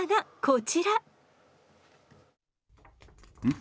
ん？